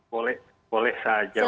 boleh boleh saja